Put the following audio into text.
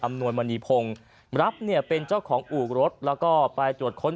นวยมณีพงศ์รับเนี่ยเป็นเจ้าของอู่รถแล้วก็ไปตรวจค้น